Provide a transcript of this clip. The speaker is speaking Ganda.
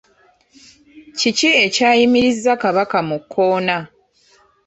Kiki ekyayimiriza Kabaka mu kkoona?